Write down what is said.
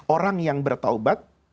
orang yang bertaubat